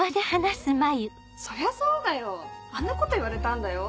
そりゃそうだよあんなこと言われたんだよ？